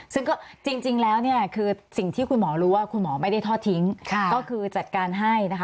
ซึ่งก็จริงแล้วเนี่ยคือสิ่งที่คุณหมอรู้ว่าคุณหมอไม่ได้ทอดทิ้งก็คือจัดการให้นะคะ